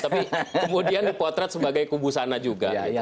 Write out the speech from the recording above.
tapi kemudian dipotret sebagai kubu sana juga